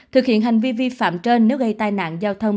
thực hiện hành vi vi phạm trên nếu gây tai nạn giao thông